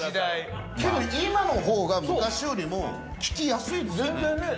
けど今の方が昔よりも聞きやすいですよね。